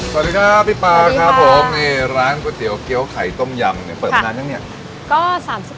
สวัสดีครับวิพาวครับผมร้านก๋วยเตี๋ยวเกี้ยวไข่ต้มยำเปิดมานานยังเนี่ย